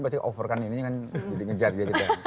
berarti over kan ini kan jadi ngejar gitu ya